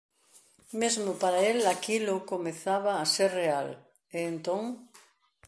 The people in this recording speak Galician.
Mesmo para el aquilo comezaba a ser real, e entón...